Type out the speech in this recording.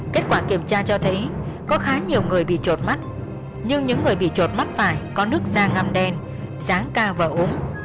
kết quả kiểm tra cho thấy có khá nhiều người bị trột mắt nhưng những người bị trột mắt phải có nước da ngâm đen dáng ca và ốm